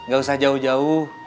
gak usah jauh jauh